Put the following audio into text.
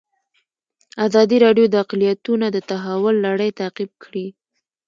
ازادي راډیو د اقلیتونه د تحول لړۍ تعقیب کړې.